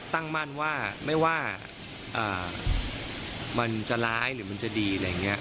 ตั้งมั่นว่าไม่ว่ามันจะร้ายหรือมันจะดีอะไรอย่างนี้